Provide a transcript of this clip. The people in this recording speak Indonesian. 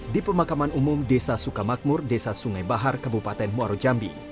di pemakaman umum desa sukamakmur desa sungai bahar kabupaten muaro jambi